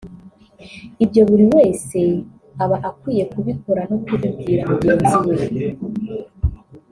Ibyo buri wese aba akwiye kubikora no kubibwira mugenzi we